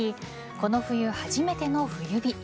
この冬初めての冬日。